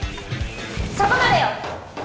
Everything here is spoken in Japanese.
そこまでよ！